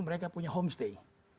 mereka punya homestay